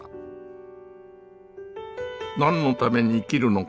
何のために生きるのか。